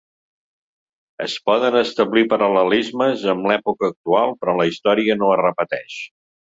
Es poden establir paral·lelismes amb l’època actual, però la història no es repeteix.